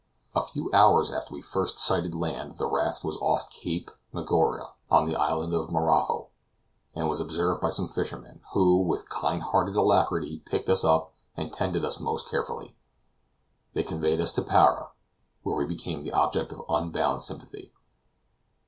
A few hours after we first sighted land the raft was off Cape Magoari, on the island of Marajo, and was observed by some fishermen, who, with kind hearted alacrity picked us up and tended us most carefully. They conveyed us to Para, where we became the objects of unbounded sympathy.